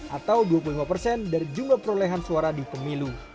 atau dua puluh lima persen dari jumlah perolehan suara di pemilu